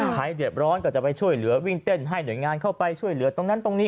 เดือดร้อนก็จะไปช่วยเหลือวิ่งเต้นให้หน่วยงานเข้าไปช่วยเหลือตรงนั้นตรงนี้